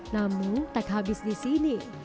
namun tak habis di sini